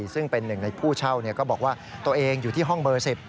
ซึ่งเป็นหนึ่งในผู้เช่าก็บอกว่าตัวเองอยู่ที่ห้องเบอร์๑๐